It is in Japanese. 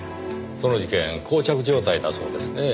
その事件こう着状態だそうですねぇ。